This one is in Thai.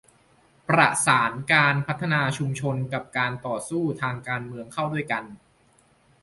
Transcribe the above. ประสานการพัฒนาชุมชนกับการต่อสู้ทางการเมืองเข้าด้วยกัน